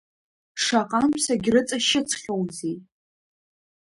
Шаҟантә сагьрыҵашьыцхьоузеи!